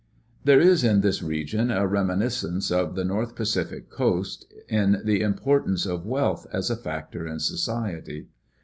There is in this region a reminiscence of the North Pacific coast in the importance of wealth as a factor in society.